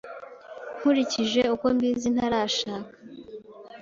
Nkurikije uko mbizi, ntarashaka.